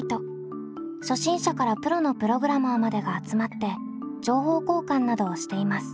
初心者からプロのプログラマーまでが集まって情報交換などをしています。